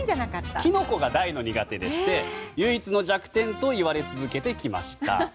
キノコが大の苦手でして唯一の弱点と言われ続けてきました。